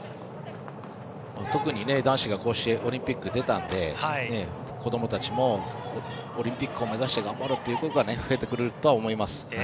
特に男子がオリンピックに出たので子どもたちも、オリンピックを目指して頑張ろうという子が増えてくれるとは思います。